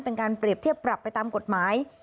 เป็นการเปรียบเทียบปรับไปตามกฎหมาย